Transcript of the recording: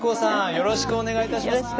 よろしくお願いします。